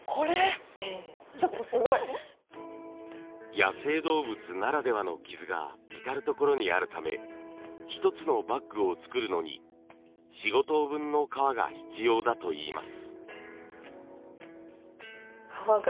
野生動物ならではの傷が至る所にあるため１つのバッグを作るのに４５頭分の革が必要だといいます。